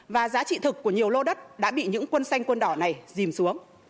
và giá trị thực của nhiều lô đất đã bị những quân xanh quân đỏ này dìm xuống